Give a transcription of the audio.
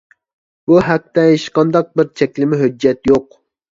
بۇ ھەقتە ھېچقانداق بىر چەكلىمە ھۆججەت يوق.